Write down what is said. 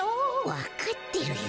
わかってるよ。